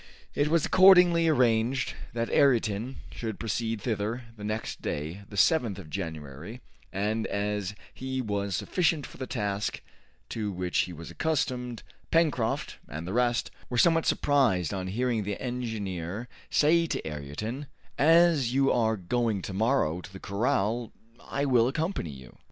It was accordingly arranged that Ayrton should proceed thither the next day, the 7th of January; and as he was sufficient for the task, to which he was accustomed, Pencroft and the rest were somewhat surprised on hearing the engineer say to Ayrton "As you are going to morrow to the corral I will accompany you."